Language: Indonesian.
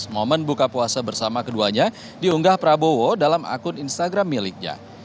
momen buka puasa bersama keduanya diunggah prabowo dalam akun instagram miliknya